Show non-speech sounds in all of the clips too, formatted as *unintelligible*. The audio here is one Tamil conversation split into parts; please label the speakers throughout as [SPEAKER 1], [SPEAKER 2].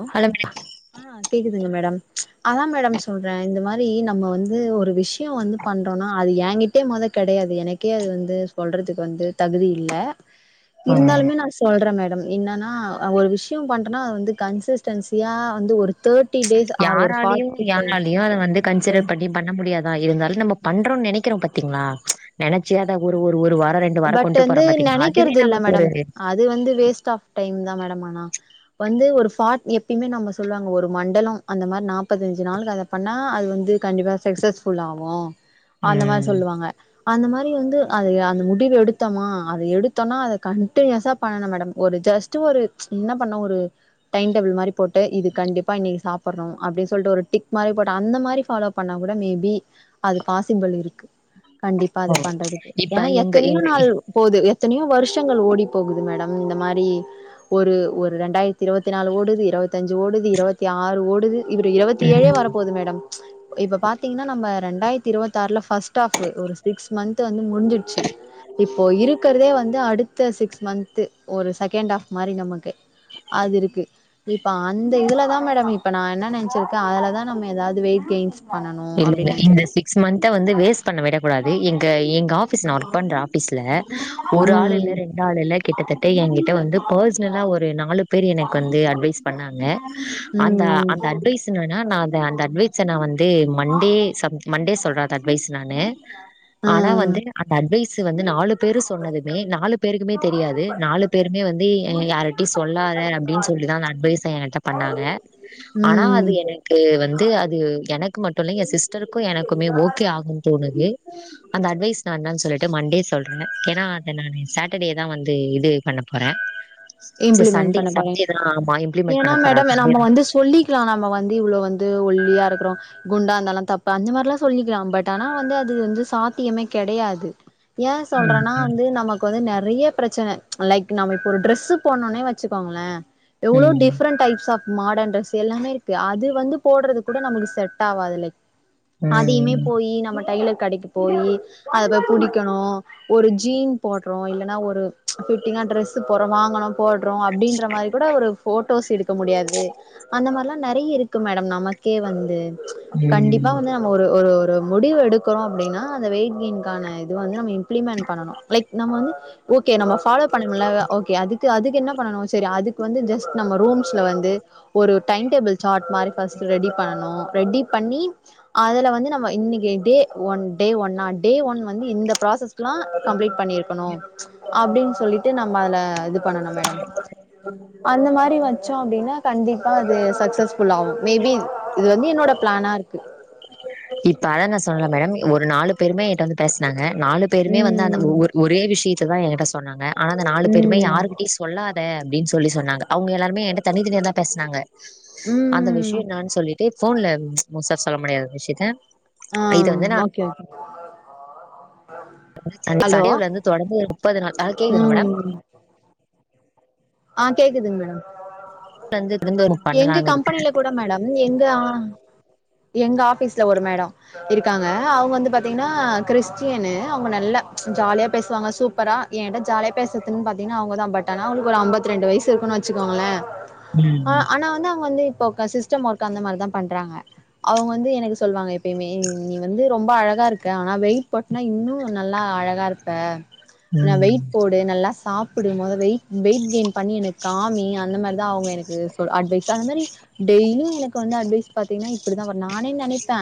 [SPEAKER 1] *unintelligible*
[SPEAKER 2] ஆ கேக்குதுங்க மேடம். அதா மேடம் சொல்றே. இந்த மாரி நம்ம வந்து ஒரு விஷ் யோ வந்து பண்றோனா அது ஏங்கிட் டே மொத கெடையாது. எனக்கே அது வந்து சொல்றதுக்கு வந்து தகுதி இல்ல. இருந்தாலுமே நா சொல்ற மேடம். என்னனா அ ஒரு விஷ்யோ பண்றனா அத வந்து கன்சிஸ்டன்சியா வந்து ஒரு தேட்
[SPEAKER 1] யாராலியு யாராலியு அத வந்து
[SPEAKER 2] டே
[SPEAKER 1] கன்சிடர் பண்ணி பண்ண முடியாதா. இருந்தாலு நம்ம பண்றோன் நெனக்கிறோ பாத்திங்ளா நெனச்சி அத ஒரு ஒரு ஒரு வா அ ரெண்டு வாரோ
[SPEAKER 2] பட்
[SPEAKER 1] கொண்ட்டு போறம் பாத்திங்களா அதுவே நமக்கு ஒரு
[SPEAKER 2] இது வந்து வேஸ்ட் ஆஃப் டைம் தா மேடம் ஆனா. வந்து ஒரு ஃபாட் எப்பிமே நம்ம சொல்வாங்க ஒரு மண்டலோ அந்த மார் நாப்பத்தஞ்சு நாளுக்கு அத பண்ணா அது வந்து கண்டிப்பா சக்ஸஸ்ஃபுல் ஆவு. அந்த மார்
[SPEAKER 1] ம்
[SPEAKER 2] சொல்லுவாங்க. அந்த மாரி வந்து அது அந்த மு டிவு எடுத்தமா அத எடுத்தொனா அத கண்டினியூஸா பண்ணனு மேடம் ஒரு ஜஸ்ட்டு ஒரு என்ன பண்ண ஒரு டைம் டேபிள் மாரி போட் டு இது கண்டிப்பா இன்னிக்கி சாப்பர்றோ அப்டின் சொல்ட்டு ஒரு டிக் மாரி போட்டு அந்த மாரி ஃபாலோ பண்ணா கூட மேபி அது பாசிபிள் இருக்கு. கண்டிப்பா அது பண்றதுக்கு
[SPEAKER 1] இப்ப
[SPEAKER 2] ஏனா எ
[SPEAKER 1] எங்க எங்க
[SPEAKER 2] போது எத்தனையோ வருஷங்கள் ஓடி போகுது மேடம் இந்த மாரி. ஒரு ஒரு ரெண்டாயித்தி இருவத்தி நாலு ஓடுது இருவத்தஞ்சு ஓடுது இருவத்தி ஆறு ஓடுது. இவுரு இருவத்தி ஏழே
[SPEAKER 1] ம்
[SPEAKER 2] வர போது மேடம். இப்ப பாத்திங்ன்னா நம்ம ரண்டாயித்தி இருவத் ஆறுல ஃபஸ்ட் ஆஃப்பு. ஒரு சிக்ஸ் மந்த் வந்து முட்ஞ்சிச்சி. இப்போ இருக்கறதே வந்து அடுத்த சிக்ஸ் மந்த்து. ஒரு செகெண்ட் ஆஃப் மாரி நமக்கு. அது இருக்கு. இப்ப அந்த இதுலதா மேடம் இப்ப நா என்ன நெனச்சுருக்கே அதுலதா நம்ம எதாவ்து வெயிட் கெயின்ஸ் பண்ணணு
[SPEAKER 1] இல்லல்ல.
[SPEAKER 2] அப்டின்னு
[SPEAKER 1] இந்த
[SPEAKER 2] நெனச்சிருக்கே
[SPEAKER 1] சிக்ஸ் மந்த்த வந்து வேஸ் பண்ண விட கூடாது. எங்க எங்க ஆஃபீஸ் நா ஒர்க் பண்ற ஆஃபீஸ்ல ஒரு ஆள்
[SPEAKER 2] ம்
[SPEAKER 1] இல்ல ரெண் டாளுல்ல கிட்டத்தட்ட எங்கிட்ட வந்து பேர்சனலா ஒரு நாலுப் பேர் எனக்கு வந்து அட்வைஸ் பண்ணாங்க அந்த
[SPEAKER 2] ம்
[SPEAKER 1] அந்த
[SPEAKER 2] ம்
[SPEAKER 1] அட்வைஸ் இன்னானா நா அந்த அந்த அட்வைஸ நா வந்தே மண்டே சம் மண்டே சொல்ற அந்த அட்வைஸ் நானு ஆனா
[SPEAKER 2] ம்
[SPEAKER 1] வந்து அந்த அட்வைஸ் வந்து நாலு பேரு சொன்னதுமே நாலு பேருக்குமே தெரியாது நாலுப் பேருமே வந்து யாரிட்டியு சொல்லாத அப்டின் சொல்லிதா அந்த அட்வைஸ் எங்கட்டப் பண்ணாங்க ஆனா
[SPEAKER 2] ம்
[SPEAKER 1] அது எனக்கு வந்து அது எனக் கு மட்டு இல்ல எ சிஸ்டருக்கு எனக்குமே ஓகே ஆகுன் தோணுது அந்த அட்வைஸ் நா இன்னான் சொல்லிட்டு மண்டே சொல்ற. ஏனா அத நானு சேட்டர்டேதா வந்து இது பண்ணம் போற. செரி
[SPEAKER 2] இம்ப்ளிமெண்ட்
[SPEAKER 1] சண்டே
[SPEAKER 2] பண்ண போறே
[SPEAKER 1] சண்டேதா ஆமா இம்ளிமெண்ட் பண்ண போற சண்டேதாங்
[SPEAKER 2] சொல்லீக்லா நம்ம வந்து இவ்ளோ வந்து ஒல்லியா இருக்குறோ குண்டா இந்தாலா தப்பா அந்த மார்லா சொல்லிக்கிலா. பட் ஆனா வந்து அது வந்து சாத்தியமே கெடயாது. ஏ சொல்றனா வந்து நமக்கு வந்து நெறையா பிரச்சன லைக் நம்ம இப்ப ஒரு ட்ரெஸ்சுப் போன்னோனே வெச்சுகோங்ளே எவ்ளோ
[SPEAKER 1] ம்
[SPEAKER 2] different types of modern dress எல்லாமே இருக்கு அது வந்து போட்றதுக் கூட நம்முள்கு செட்டாவாது லைக் அதியுமே
[SPEAKER 1] ம்
[SPEAKER 2] போயி நம்ம டைலர் கடைக்குப் போயி அத போய் புடிக்கணு ஒரு ஜீன் போட்றோ இல்லனா ஒரு ஃபிட்டிங்கா டிரெஸ்சுப் போர்றோ வாங்கனோ போட்றோ அப்டின்ற மாரி கூட ஒரு ஃபோட்டோஸ் எடுக்க முடியாது அந்த மார்லா நெறைய இருக் கு மேடம் நமக்கே வந்து கண்டிப்பா
[SPEAKER 1] ம்
[SPEAKER 2] வந்து ந ம்ம ஒரு ஒரு முடிவு எடுக்கறோ அப்டினா அந்த வெயிட் கெய்ன்க்கான இது வந்து நம்ம இம பிளிமெண்ட் பண்ணனு லைக் நம்ம வந்து ஓக்கே நம்ம ஃபாலோ பண்ண முல்ல அ ஓகே அதுக் கு அதுக்கு என்ன பண்ணனு செரி அதுக்கு வந்து ஜஸ்ட் நம்ம ரூம்ஸ்ல வந்து ஒரு டைம் டேபிள் சாட் மாதிரி ஃபஸ்ட்டு ரெடி பண்ணனு ரெடி பண்ணி அதுல வந்து நம்ம இன்னைக்கி டே ஒன் டே ஒன்னா டே ஒன் வந்து இந்த ப்ராசஸ் க்லா கம்ப்ளீட் பண்ணிருக்கணு அப்டின் சொல்லிட்டு நம்ம அதுல இது பண்ணனு மேடம் அந்த மாரி வன் சோ அப்டினா கண்டிப்பா அது சக்சஸ்ஃபுல் ஆவு மேபி இது வந்து என்னோட பிளானாருக்கு
[SPEAKER 1] இப்ப அதா நா சொன்னல மேடம் ஒரு நாலுப் பேருமே என்ட்ட வந்து பேச்னாங்க நாலுப் பேருமே வந்து அந்த ஒ
[SPEAKER 2] ம்
[SPEAKER 1] ஒர் ஒரே விஷியத்த தா எங்கிட்ட சொன்னாங்க ஆனா அந்த நாலு பேருமே
[SPEAKER 2] ம்
[SPEAKER 1] யாருகிட்டியுச் சொல்லாதே அப்டின் சொல்லி சொன்னாங்க அவுங்க எல்லாருமே என்ட்ட தனித் தனியாதா பேச்னாங்க அந்த
[SPEAKER 2] ம்
[SPEAKER 1] விஷ்ய என்னான் சொல்லிட்டு ஃபோன்ல முழுசா சொல்ல முடியாது விஷ்யத்த
[SPEAKER 2] ஆம் ஓகே ஓகே
[SPEAKER 1] சண்டே
[SPEAKER 2] ஹலோ
[SPEAKER 1] சண்டேவுலந்து தொடர்ந்து முப்பது நாள் ஹலோ கேக்குதுங்ளா மேடம்
[SPEAKER 2] ம் ஆ கேக்குதுங் மேடம்
[SPEAKER 1] வந்து இருந்து
[SPEAKER 2] எங்க
[SPEAKER 1] பண்ணலான்னு இருக்கே
[SPEAKER 2] கம்பெனில கூட மேடம் எங்க ஆ எங்க ஆபீஸ்ல ஒரு மேடோ இருக்காங்க அவுங்க வந்து பாத்தீங்னா கிறிஸ்டியனு அவுங்க நல்ல ஜாலியா பேசுவாங்க சூப்பரா என்ட ஜாலியா பேசற்துன் பாத்தீங்னா அவுங்கதா பட் ஆனா அவுங்களுக்கு ஒரு அம்பத் திரெண்டு வயசு இருக்குன் வச்சுகோங்ளே ஆ
[SPEAKER 1] ம்
[SPEAKER 2] ஆனா வந்து அவுங்க வந்து இப்ப கசிஸ் டம் ஒர்க் அந்த மாரிதா பண்றாங்க அவுங்க வந்து எனக்கு சொல்வாங்க எப்பியுமே நீ வந்து ரொம்ப அழகா இருக்க ஆனா வெயிட் போட் னா இன்னு நல்லா அழகாருப்ப ந
[SPEAKER 1] ம்
[SPEAKER 2] வெயிட் போடு நல்லா சாப்பிடு மொத வெயிட் வெயிட் கெயின் பண்ணி எனக் காமி அந்த மாரிதா அவுங்க எனக்கு சொல் அட்வைஸ் அந்த மாரி டெய்லியு எனக்கு வந்து அட்வைஸ் பாத்தீங்னா இப்பிடிதா வரு நானே நெனைப்பே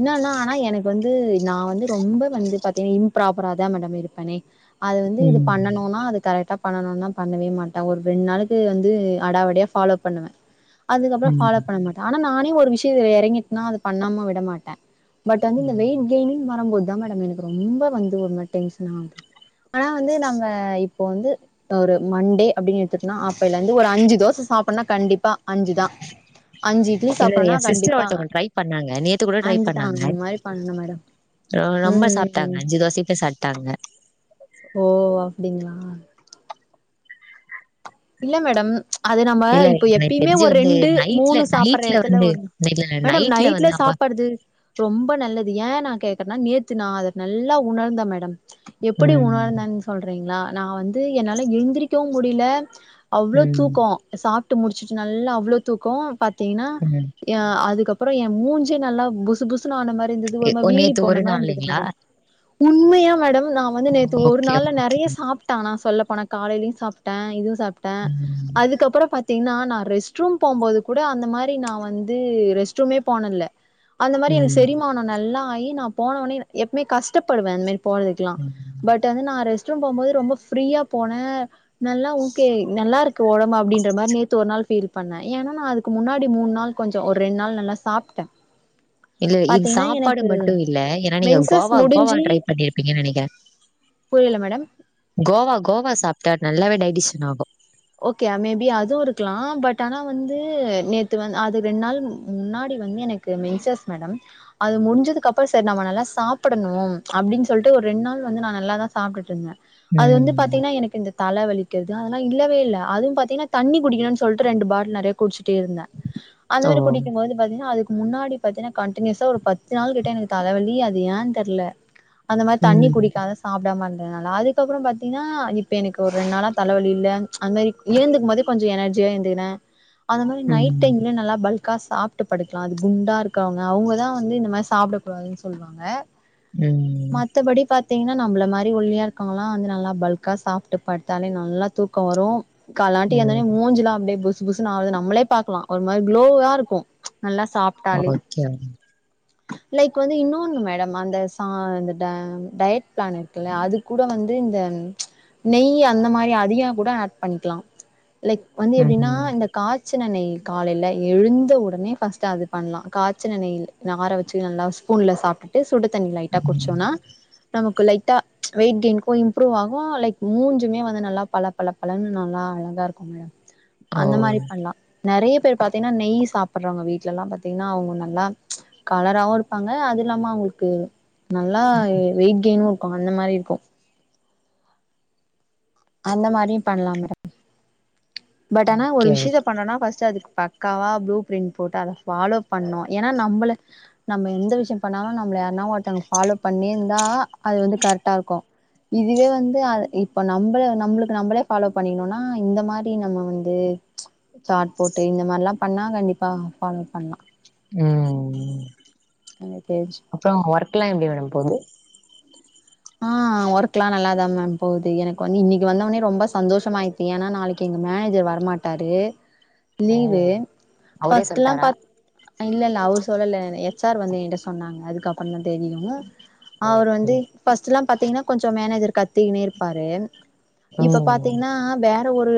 [SPEAKER 2] இன்னானா ஆனா எனக்கு வந்து நா வந்து ரொம்ப வந்து பாத்தீங்க இம்ப்ராப்பரா தா மேடம் இருப்பனே அத வந்து இது
[SPEAKER 1] ம்
[SPEAKER 2] பண்ணனுனா அது கரெட்டா பண்ணனுனா பண்ணவே மாட் ட ஒரு ரெண் நாளுக்கு வந்து அடாவடியா ஃபாலோ பண்ணுவ அதுக்கப்புற ஃபாலோ பண்ண மாட் ஆனா நானே ஒரு விஷ்யதில எறங்கிட்னா அது பண்ணாம விட மாட்ட பட் வந்து இந்த
[SPEAKER 1] ம்
[SPEAKER 2] வெயிட் கெயினுன் வரம்போத்தா மேடம் எனக்கு ரொம்ப வந்து ஒரு மாரி டென்ஷனாவுது ஆனா வந்து நாங்க இப்ப வந்து ஒரு மண்டே அப்டின்னு எடுத்துக்குனா அப்பைலயிருந்து ஒரு அஞ்சு தோச சாப்டனுனா கண்டிப்பா அஞ்சுதா
[SPEAKER 1] இல்ல ஏ சிஸ்டர் ஒருத்தங்க ட்ரை பண்ணாங்க நேத்து கூட ட்ரை
[SPEAKER 2] அஞ்சு தா
[SPEAKER 1] பண்ணாங்க
[SPEAKER 2] அந்த மாரி பண்ணனு மேடம்
[SPEAKER 1] ரொம்ப
[SPEAKER 2] ம்
[SPEAKER 1] சாப்ட்டாங்க அஞ்சு தோசை கிட்ட சாப்ட்டாங்க
[SPEAKER 2] ஓ அப்டிங்ளா இல்ல மேடம் அது நம்ம
[SPEAKER 1] இல்ல
[SPEAKER 2] இப்ப
[SPEAKER 1] எனக்கு
[SPEAKER 2] எப்பயுமே
[SPEAKER 1] தெரிஞ்சு
[SPEAKER 2] ஒரு
[SPEAKER 1] வந்து
[SPEAKER 2] ரெண்டு
[SPEAKER 1] நைட்ல
[SPEAKER 2] மூணு சாப்ட்ற
[SPEAKER 1] நைட்ல
[SPEAKER 2] எடத்துல
[SPEAKER 1] வந்து
[SPEAKER 2] ஒரு
[SPEAKER 1] இல்ல
[SPEAKER 2] மேடம் நைட்ல
[SPEAKER 1] வந்து அம்மா
[SPEAKER 2] சாப் படுது ரொம்ப நல்லது ஏன்னா கேக்குறேன்னா நேத்து நா அத நல்லா உணர்ந்தே மேடம் எப்டி
[SPEAKER 1] ம்
[SPEAKER 2] உணர்ந்தானு சொல்றீங்ளா நா வந்து என்னால எழுந்திரிக்கவு முடில அவ்ளோ
[SPEAKER 1] ம்
[SPEAKER 2] தூக்கோ சாப்ட்டு முடிச்சுட்டு நல்லா அவ்ளோ தூக்கோ பாத்தீங்கன்னா
[SPEAKER 1] ம்
[SPEAKER 2] ஏ அதுக்கப்றோ ஏ மூஞ்சே நல்லா புசு புசுனு ஆன மாறி இருந்தது ஒரு மாரி
[SPEAKER 1] ஓ
[SPEAKER 2] வீங்கி
[SPEAKER 1] நேத்து
[SPEAKER 2] போன
[SPEAKER 1] ஒரு
[SPEAKER 2] மாரி இருந்தது
[SPEAKER 1] நாள்லைங்களா
[SPEAKER 2] மேடம் உண்மையா மேடம் நா வந்து நேத்து ஒரு
[SPEAKER 1] ஓகே
[SPEAKER 2] நாள்ல
[SPEAKER 1] ஓகே
[SPEAKER 2] நெறைய சாப் ட்ட நா சொல்ல போன காலையியு சாப்ட்டே இதுவு சாப்ட்டே
[SPEAKER 1] ம்
[SPEAKER 2] அதுக்கப்றோ பாத்தீங்கன்னா நா ரெஸ்ட் ரெஸ்ட் ரூம் போம்போது கூட அந்த மாரி நா வந்து ரெஸ்ட் ரூமே போனதில்ல அந்த மாரி எனக்கு
[SPEAKER 1] ம்
[SPEAKER 2] செரிமானோ நல்லா ஆகி நா போன ஒடனே எப்பமே கஷ்டப்படுவே அந்த மாரி போறதுக்குலா
[SPEAKER 1] ம்
[SPEAKER 2] பட் வந்து நா ரெஸ்ட் ரெஸ்ட் ரூம் போம்போதே ரொம்ப ஃப்ரியா போனே நல் க்கே நல்லா இருக்கு ஒடம்பு அப்டின்ற மாரி நேத்து ஒரு நாள் ஃபீல் பண்ணே ஏன்னா நா அதுக்கு முன்னாடி மூணு நாள் கொஞ்சோ ஒரு ரெண் நாள் நல்லா சாப்ட்டே
[SPEAKER 1] இல்ல இது
[SPEAKER 2] பாத்தீங்கன்னா
[SPEAKER 1] சாப்பாடு
[SPEAKER 2] எனக்கு
[SPEAKER 1] மட்டு இல்ல ஏன்னா நீங்க
[SPEAKER 2] மென்சஸ்
[SPEAKER 1] கோவா கோவா
[SPEAKER 2] முடிஞ்சு
[SPEAKER 1] ட்ரை பண்ணிருப்பீங்க நெனைக்கிற
[SPEAKER 2] புரில மேடம்
[SPEAKER 1] கோவா கோவா சாப்ட்டா நல்லாவே டைஜிஷன் ஆகு
[SPEAKER 2] ஓகே மேபி அதுவு இருக்கலா பட் ஆனா வந்து நேத்து வந் அது ரெண் நாள் முன்னாடி வந்து எனக்கு மென்சஸ் மேடம் அது முடிஞ்சதுக்கு அப்றோ செரி நம்ம நல்லா சாப்டணு அப்டின்னு சொல்லிட்டு ஒரு ரெண் நாள் வந்து நா நல்லா தா சாப்ட்டுட்டு இருந்தே அது வந்து
[SPEAKER 1] ம்.
[SPEAKER 2] பாத்தீங்கன்னா எனக்கு இந்த தல வலிக்கிறது அதெல்லா இல்லவே இல்ல அது பாத்தீங்கன்னா தண்ணி குடிக்கணுனு சொல்ட்டு ரெண்டு பாட்டில் நெறைய குடிச்சுட்டே இருந்தே அந்த
[SPEAKER 1] ஓ!
[SPEAKER 2] மாரி குடிக்கு போது பாத்தீங்கன்னா அதுக்கு முன்னாடி பாத்தீன்னா கன்டினியூசா ஒரு பத்து நாள் கிட்ட எனக்கு தலவலி அது ஏன்னு தெர்ல அந்த மாரி தண்ணி
[SPEAKER 1] ம்,
[SPEAKER 2] குடிக்காத சாப்பிடாம இருந்ததுனால அதுக்கப்றோ பாத்தீங்கன்னா இப்ப எனக்கு ஒரு ரெண்நாளா தலவலி இல்ல அது மாரி எழுந்துக்கு போதே கொஞ்சோ எனர்ஜியா எந்திர்க்குற அந்த மாரி நைட் டைம்
[SPEAKER 1] ம்,
[SPEAKER 2] நல்லா பல்க் க்கா சாப்ட்டு படுக்கலா அது குண்டா இருக்கவங்க அவங்கதா வந்து இந்த மாரி சாப்ட்டக் கூடாதுன்னு சொல்லுவாங்க
[SPEAKER 1] ம்
[SPEAKER 2] மத்தபடி பாத்தீங்கன்னா நம்மள மாரி ஒல்லியா இருக்கவங்கெல்லா வந்து நல்லா பல்கா சாப்ட்டு படுத்தாலே நல்லா தூக்க கம் வரு கால்லாட்டி
[SPEAKER 1] ம்.
[SPEAKER 2] எழுந்தேன்னே மூஞ்சேலா அப்டியே புஷ் புஷ் புஷ்னு ஆவுது நம்மளே பாக்கலா ஒரு மாரி குளோவா இருக்கு நல்லா சாப்ட்டாலே
[SPEAKER 1] ஓகே.
[SPEAKER 2] லைக் வந்து இன்னொன்னு மேடம் அந்த சா இந்த ட டயட் பிளன் இருக்குல்ல அது கூட வந்து இந்த நெய் அந்த மாரி அதிக கூட ஆட் பண்ணிக்கலா லைக் வந்து எப்டின்னா
[SPEAKER 1] ம்ஹ்ம்.
[SPEAKER 2] இந்த காச்சின நெய் காலையில எழுந்த உடனே ஃபர்ஸ்ட் அது பண்லா காச்சின நெயில் ஆர வெச்சு நல்லா ஸ்பூன்ல சாப்ட்டுட்டு சுடு தண்ணி லைட்டா குடிச்சோன்னா நமக்கு லைட்டா வெயிட் கெய்ன்க்கு இம்ப்ரூவ் ஆகு லைக் மூஞ்சுமே வந்து நல்லா பள பள பளன்னு நல்லா அழகா இருக்கு மேம்
[SPEAKER 1] ஓ!
[SPEAKER 2] அந்த மாரி பண்லா நெறைய பேர் பாத்தீங்கன்னா நெய் சாப்ட்டுறாங்க வீட்லெல்லா பாத்தீங்கன்னா அவங்க நல்லா கலராவு இருப்பாங்க அது இல்லாம அவங்களுக்கு நல்லா வெயிட் கெயினு இருக்கு அந்த மாரி இருக்கு அந்த மாரியு பண்லா மேடம் பட் ஆனா ஒரு
[SPEAKER 1] ஓகே,
[SPEAKER 2] விஷயத்த
[SPEAKER 1] ஓகே.
[SPEAKER 2] பண்ணனுன்னா ஃபஸ்ட் அதுக்கு பக் பக்கவா ப்ளூ பிரிண்ட் போட்டு அத ஃபாலோ பண்ணு ஏன்னா நம்மளே நம்ம எந்த விஷயோ பண்ணாலு நம்மள யார்னாவு ஒருத்தவங்க ஃபாலோ பண்ணியிருந்தா அது வந்து கரெக்டா இருக்கு இதுவே வந்து ஆது இப்ப நம்மள நம்மளுக்கு நம்மளே ஃபாலோ பண்ணிகனுனா இந்த மா டி நம்ம வந்து சாட் போட்டு இந்த மாரில்லா பண்ணா கண்டிப்பா ஃபாலோ பண்லா
[SPEAKER 1] ம்
[SPEAKER 2] *unintelligible*
[SPEAKER 1] அப்றோ ஒர்க்லா எப்டி மேடம் போகுது
[SPEAKER 2] ஆ ஒர்க்லா நல்தா மேம் போகுது எனக்கு வந்து இன்னக்கி வந்தோனே ரெம்ப சந்தோஷமாய்ர்க்கு ஏன்னா நாளக்கி எங்க மேனேஜர் வரமாட் ட்டாரு
[SPEAKER 1] ஓ!
[SPEAKER 2] லீவு
[SPEAKER 1] அவரே
[SPEAKER 2] ஃபஸ்ட்லா
[SPEAKER 1] சொல்ட்டாரா?
[SPEAKER 2] பாத் இல்லல்ல அவரு சொல்லல எச் ஆர் வந்து ஏன்ட்ட சொன்னாங்க அதுக்கப் பண்ண தெரியு அவரு
[SPEAKER 1] ஓகே.
[SPEAKER 2] வந்து ஃபஸ்ட்ல்லா பாத்தீங்ன்னா கொஞ்சொ மேனேஜர் கத்திகின்னே இருப்பாரு இப்ப
[SPEAKER 1] ம்.
[SPEAKER 2] பாத்தீங்ன்னா னா வேற ஒரு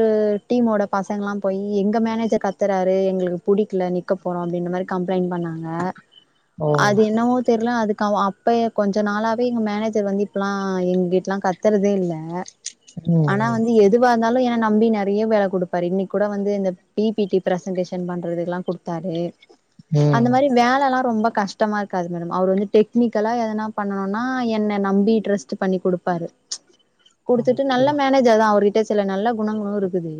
[SPEAKER 2] டீமோட பசங்கல்லா போயி எங்க மேனேஜர் கத்துறாரு எங்களுக்கு புடிக்ல நி க்க போறோ அப்டின்ற மாரி கம்ப்ளைண்ட் பண்ணாங்க
[SPEAKER 1] ஓ!
[SPEAKER 2] அது என்னவோ தெர்ல அதுக்கு அவோ அப்பயே கொஞ்ச நாளாவே எங்க மேனேஜ் ஜர் வந்து இப்பல்லா எங்ககிட்ல்லா கத்துறதே இல்ல ஆனா
[SPEAKER 1] ம்,
[SPEAKER 2] வந்து எது எதுவா இருந்தாலு என நம்பி நெறைய வேல குடுப்பாரு இன்னக் கூட வந்து இந்த பி பி டி பிரசன்டேஷன் பண்றதெல்லா குடு தாரு அந்த
[SPEAKER 1] ம்.
[SPEAKER 2] மாரி வேலல்லா ரொம்ப கஷ்டமா இருக்காது மேடம் அவரு வந்து டெக்னிக்கலா எதனா பண்ணனுனா என்ன நம்பி ட்ரஸ்ட்டு பண்ணி குடுப்பாரு குடுத்துட்டு
[SPEAKER 1] ஓகே.
[SPEAKER 2] நல்ல மேனேஜர்தா அவரு ட சில நல்ல குணங்களு இருக்குது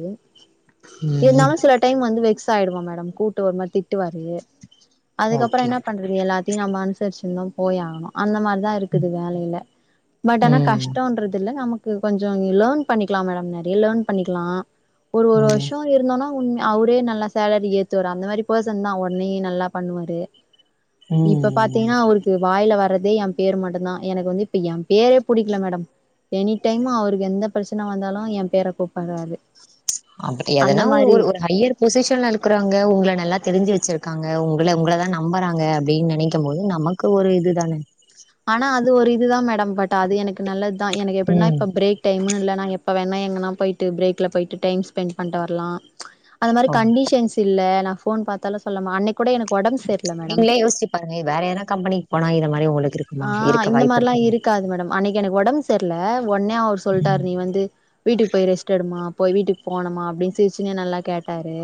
[SPEAKER 1] ம்.
[SPEAKER 2] இருந்தாலு சில டைம் வந்து வெக்சாய்டுவே மேடம் கூப்டு ஒரு மாரி திட்டுவாரு அதுக்கப்பற
[SPEAKER 1] ஓகே.
[SPEAKER 2] என்னா பண் எல்லாத்தயு நம்ம அனுசருச்சுந்தா போய் ஆகணு அந்த மாரிதா இருக்குது இல்ல பட் ஆனா
[SPEAKER 1] ம்,
[SPEAKER 2] கஷ்டோ ர்ரதில்ல நமக்கு கொஞ்சொ லேர்ன் பண்ணிக்கலா மேடம் நெறைய லேர்ன் பண்ணிக்கலா ஒரு ஒரு
[SPEAKER 1] ம்,
[SPEAKER 2] வர்ஷோ மாரி இருந்தோனா உன்னே அவுரே நல்லா சேலரி ஏத்துவாரு அந்த மாரி பெர்சன் தா உட்னயே நல்லா பண்ணுவாரு இப்ப
[SPEAKER 1] ம்.
[SPEAKER 2] பாத்தீங்ன்னா அவருக்கு வாய்ல வர்ரதே எ பேர் மட்டுந்தா எனக்கு வந்து எ பேரே புடிக்கல மேடம் எனி டைம்மு அவருக்கு எந்த பிரச்சன வந்தாலு எ பேர கூப்பற்றாரு
[SPEAKER 1] அப்டி எதனா ஒரு ஒரு ஹையர் பொசிஷன்ல இருக்கறவங்க உங்கள நல்லா தெருஞ்சு வச்சுருக்காங்க உங்கள உங்களதா நம்பறாங்க அப்டின் நெனைக்கம் போது நமக் க்கு ஒரு இது தான
[SPEAKER 2] ஆனா அது ஒரு இதுதா மேடம் பட் அது எனக்கு நல்லத் தா எனக்கு எப்டின்னா
[SPEAKER 1] ம்.
[SPEAKER 2] இப்ப ப்ரேக் டைம்ன்னு இல்ல நா எப்ப வேணா எங்கனா போய்ட்டு ப்ரேக்ல போய்ட்டு டைம் ஸ்பெண்ட் பண்ட்டு வர்லா அந்த மாரி
[SPEAKER 1] ஓ
[SPEAKER 2] கண்டிஷன்ஸ் இல்ல நா போன் பாத்தாலு சொல்லாம அன்னக் கூட எனக்கு ஒடம்பு சரி இல்ல மேடம்
[SPEAKER 1] பாங்க வேற எதனா கம்பனிக் போனா இந்த மாரி ஒங்களுக்கு இருக்
[SPEAKER 2] ஆ இந்த மாரிலா இருக்காது மேடம் அன்னக்கி எனக்கு ஒடம்பு சர்ல ஒன்னே அவரு சொல்ட்டாரு
[SPEAKER 1] ம்
[SPEAKER 2] நீ வந்து வீட்டுக்கு போய் ரெஸ்ட் எடுமா போய் வீட்டுக்கு போணும்மா அப்டின் சிருச்சுன்னே நல்லா கேட்டாரு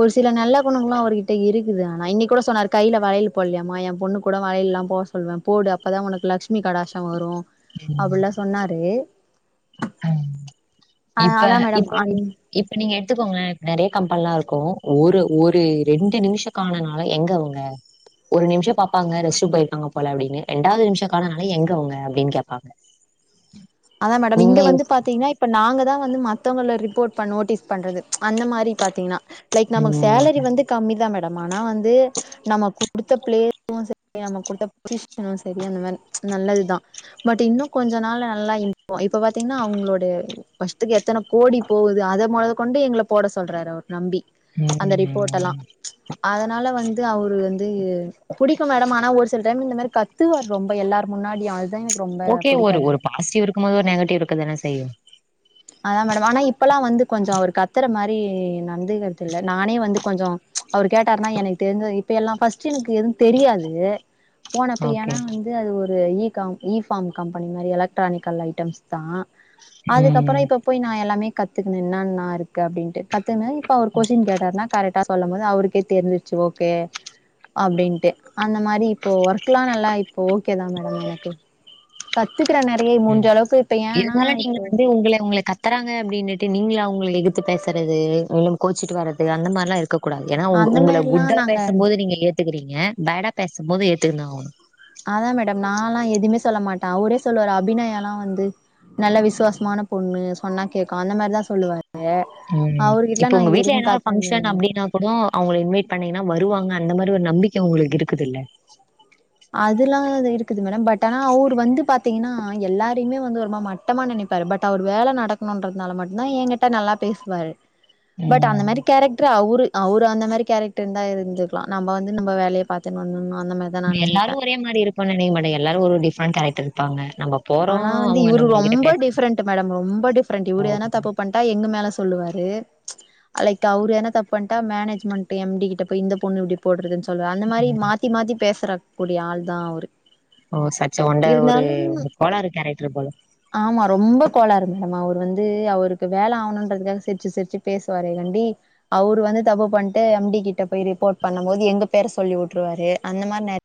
[SPEAKER 2] ஒரு சில நல்ல குணங்களு அவர்கிட்ட இருக்குது ஆனா இன்னக் கூட சொன்னாரு கைல வளையல் போல்லயாமா என் பொண்ணு கூட வளையல்லா போட சொல்வே போடு அப்பதா ஒனக்கு லக்ஷ்மி கடாசொ வரு அப்பிலா சொன்னாரு
[SPEAKER 1] ம்.
[SPEAKER 2] அ
[SPEAKER 1] இப்ப
[SPEAKER 2] அதா மேடம்
[SPEAKER 1] இப்ப நீ
[SPEAKER 2] அன்
[SPEAKER 1] இப்ப நீங்க எடுத்துக்கோங்க நெறைய கம்பல்லா இருக்கு ஒரு ஒரு ரெண்டு நிமிஷோ காணனால எங்க அவ்ங்க ஒரு நிம்ஷ பாப்பாங்க ரெஸ்ட்ரூம் போய்ருக்காங்க போல அப்டின்னு ரெண்டாவது நிம்ஷ காணனால எங்க அவ்ங்க அப்டின் கேப்பாங்க
[SPEAKER 2] அதா மேடம் இங்க
[SPEAKER 1] நீங்களே
[SPEAKER 2] வந்து
[SPEAKER 1] யோசி
[SPEAKER 2] பாத்தீங்கன்னா இப்ப நாங்கதா வந்து மத்தவங்கல ரிப்போர்ட் பண்ணு நோட்டீஸ் பண்றது அந்த மாரி பாத்தீங்ன்னா லைக் நமக்கு
[SPEAKER 1] ம்
[SPEAKER 2] சேலரி வந்து கம்மிதா மேடம் ஆனா வந்து நம்ம குடுத்த பிளே கு சரி நமக்கு குடுத்த பொசிஷனு சரி அந்த மாரி நல்லது தா பட் இன்னு கொஞ்ச நாள நல்லா இப்போ இப்ப பாத்தீங்ன்னா அவ்ங்ளோட பஷ்ட்டுக்கு எத்தன கோடி போகுது அத மொத கொண்டு எங்கள போட சொல்றாரு அவரு நம்பி அந்த ரிப்போடலா
[SPEAKER 1] ம்.
[SPEAKER 2] அதனால வந்து அவரு வந்து புடிக்கு மேடம் ஆனா ஒரு சில டைம் இந்த மாரி கத் கத்துவார் ரொம்ப எல்லார் முன்னாடியு அல்தா எனக் ரொம்ப புடிக்காது
[SPEAKER 1] அசிவ்இருக்கும்போது ஒரு நெகட்டிவ் இருக்கதனே செய்யு
[SPEAKER 2] அதா மேடம் ஆனா இப்பலா வந்து கொஞ்ச அவர் கத்தற மாரி நடந்துகற்த் இல்ல நானே வந்து கொஞ்சோ அவர் கேட்டாருனா எனக்கு தெரிஞ்ச இப்ப எல்லா பஃஸ்ட் எனக்கு எதுவு தெரியாது போனப்ப
[SPEAKER 1] ஓகே
[SPEAKER 2] ஏனா வந்து அது ஒரு இ காம் இ ஃபாம் கம்பெனி மாரி எலக்ட்ரானிக்கல் ஐட்டம்ஸ் பா அதுக்கப்
[SPEAKER 1] ம்
[SPEAKER 2] நா எல்லாமே கத்துக்குனு என்னான்னா இருக்கு அப்டின்ட்டு கத்துனு இப்ப அவர் கொஷின் கேட் அர்னா கரெட்டா சொல்லும் போது அவருக்கே தெரிஞ்சிச்சி ஓகே அப்படின்ட்டு அந்த மாரி இப்போ ஒர்க்ல்லா நல்லா இப்போ ஓகே தா மேடம் எனக்கு கத்துக்கறே நெறைய மூன்ஜளவுக்கு இப்ப ஏன்னா இப்போ
[SPEAKER 1] உங்ளே உங்ள கத் த்தராங்க அப்படின்னுட்டு நீங்ளா அவ்ங்ள எதுத்து பேசுறது இலும் கோச்சிட்டு வரது அந்த மாரிலா இருக் க்கக்கூடாது ஏன்னா உங்கு
[SPEAKER 2] அந்த
[SPEAKER 1] உங்கள
[SPEAKER 2] மாரிலா
[SPEAKER 1] குட்டா
[SPEAKER 2] நாங்க
[SPEAKER 1] பேசும்போது நீங்க ஏத்துக்கறீங்க பேடா பேசும்போது ஏத்துக்குனா ஆவ்னு
[SPEAKER 2] அதா மேடம் நாலா எதுமே சொல்ல மாட்டா அவரே சொல்லுவாரு அபிநயாலா வந்து நல்ல விசுவாசமான பொண்ணு சொன்னா கேக்கு அந்த மாரிதா சொல்லுவாரு அவர்கிட்டலா
[SPEAKER 1] இப்ப
[SPEAKER 2] நா
[SPEAKER 1] உங்க
[SPEAKER 2] இது
[SPEAKER 1] வீட்ல
[SPEAKER 2] வரைக்கு
[SPEAKER 1] என்னலா
[SPEAKER 2] காட்னது இல்ல
[SPEAKER 1] ஃபங்க்ஷன்
[SPEAKER 2] மேடம்
[SPEAKER 1] அப்டின்னா புடோ அவங்கள இன்வைட் பண்ணீங்கன்னா வருவாங்க அந்த மாரி ஒரு நம்பிக்க உங்களுக் இருக்குதுல்ல
[SPEAKER 2] அதுல்லா இது இருக்குது மேடம் பட் ஆனா அவர் வந்து பத் த்தீங்கனா எல்லாரையுமே வந்து ஒருமா மட்டமா நினைப்பாரு பட் அவர் வேல நடக்கணுன்றதுனால மட்டுதா எங்கிட் ட்ட நல்லா பேசுவாரு பட் அந்த
[SPEAKER 1] ம்.
[SPEAKER 2] மாரி கேரக்ட்ரு அவ்ரு அவர் அந்த மாரி கேரக்டர்ன்தா இருந்துர்லா நம்ப வந்து நம்ப வேலைய பாத்துன் வந்துனானு அந்த மாரி
[SPEAKER 1] எல்லாரு ஒரே மாரி இருப்பானு நெனைக்க மாட்ட எல்லாரு ஒரொர் டிஃப்ரண்ட் கேரக்டர் இருப்பாங்க நம்ப
[SPEAKER 2] ஆனா வந்து இவுரு ரொம்ப டிஃப்ரெண்ட் மேடம் ரொம்ப டிஃப்ரெண்ட்
[SPEAKER 1] ஓ!
[SPEAKER 2] இவுரு எதனா தப்புப் பண்ட்டா எங்க மேல சொல்லுவாரு அலைக் தவ்ரு எனா தப் பன்ட்டா மேனேஜ்மெண்ட் எம்டி கிட்ட போய் இந்த பொண்ணு இப்டி போட்றதுன் ச் தொல் அந்த மாரி மாத்தி மாத்தி பேசற கூடிய ஆள் தா அவ்ரு
[SPEAKER 1] ஓ சச்ச ஒண்ட ஒரு கோலாறு கேரக்டர் போல
[SPEAKER 2] ஆமா ரொம்ப கோளாறு மேம் அவர் வந்து அவருக்கு வேல ஆகணுன்றதுக்காக சிரிச்சு சிரிச்சு பேசுவாரே கண்டி அவ்ரு வந்து தப்பு பண்ட்டு எம்டி கிட்ட போய் ரிப்போட் பண்ணும் போது எங்க பேர சொல்லி விட்ருவாரு அந்த மாரி நே